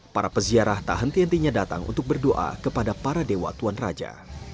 para peziarah tak henti hentinya datang untuk berdoa kepada para dewa tuan raja